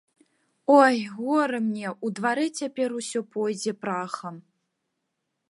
Ой, гора мне, у дварэ цяпер усё пойдзе прахам!